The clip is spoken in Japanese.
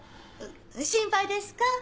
心配ですか？